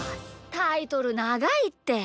タイトルながいって。